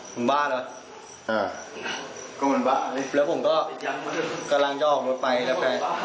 มึงบ้าเหรออ่าก็มันบ้าแล้วผมก็กำลังเข้าออกรถไปแล้วแทน